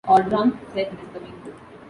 ‘Or drunk,’ said Mr. Winkle.